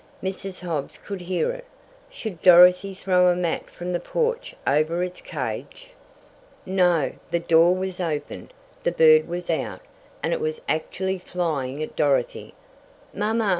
Mrs. Hobbs could hear it! Should Dorothy throw a mat from the porch over its cage! No, the door was opened, the bird was out, and it was actually flying at Dorothy! "Mama!